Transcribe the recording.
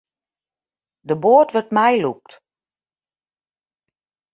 De boat wurdt meilûkt.